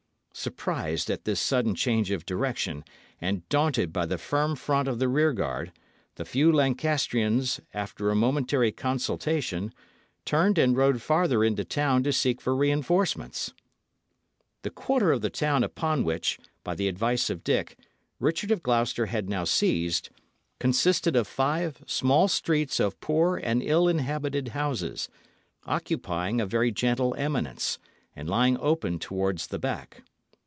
Surprised at this sudden change of direction, and daunted by the firm front of the rear guard, the few Lancastrians, after a momentary consultation, turned and rode farther into town to seek for reinforcements. The quarter of the town upon which, by the advice of Dick, Richard of Gloucester had now seized, consisted of five small streets of poor and ill inhabited houses, occupying a very gentle eminence, and lying open towards the back.